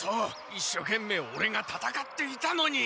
一所懸命オレがたたかっていたのに。